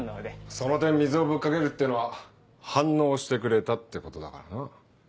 その点水をぶっかけるっていうのは反応してくれたってことだからな。